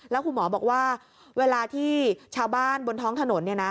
แล้วคุณหมอบอกว่าเวลาที่ชาวบ้านบนท้องถนน